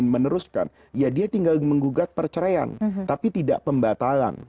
meneruskan ya dia tinggal menggugat perceraian tapi tidak pembatalan